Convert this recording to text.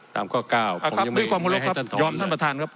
ตามข้อ๙ผมยังไม่ให้ให้ท่านถอนครับ